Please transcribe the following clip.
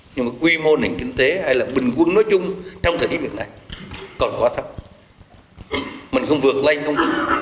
nhưng quy mô nền kinh tế hay là bình quân